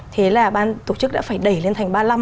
thế là ban tổ chức đã phải đẩy lên thành ba mươi năm